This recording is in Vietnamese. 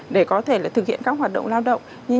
để có thể thực hiện các hoạt động lao động